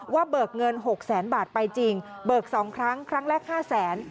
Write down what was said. ว่าเบิกเงินหกแสนบาทไปจริงเบิกสองครั้งครั้งแรกห้าแสน